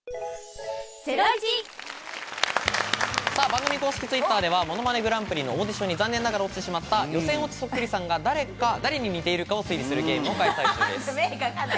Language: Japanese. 番組公式Ｔｗｉｔｔｅｒでは、『ものまねグランプリ』のオーディションに残念ながら落ちてしまった予選落ちそっくりさんが誰に似ているかを推理するゲームを開催中です。